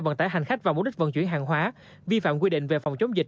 vận tải hành khách và mục đích vận chuyển hàng hóa vi phạm quy định về phòng chống dịch